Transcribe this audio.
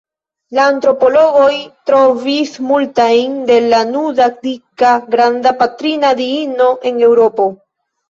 La antropologoj trovis multajn de la nuda dika Granda Patrina Diino en Eŭropo.